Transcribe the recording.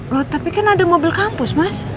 loh tapi kan ada mobil kampus mas